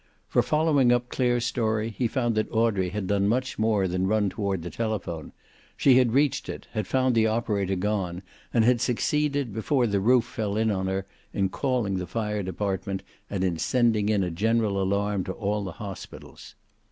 For, following up Clare's story, he found that Audrey had done much more than run toward the telephone. She had reached it, had found the operator gone, and had succeeded, before the roof fell in on her, in calling the fire department and in sending in a general alarm to all the hospitals.